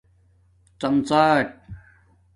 ڎم ڎاٹ